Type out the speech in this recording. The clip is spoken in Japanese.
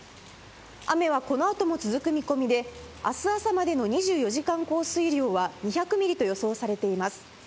雨はこのあとも続く見込みで、あす朝までの２４時間降水量は、２００ミリと予想されています。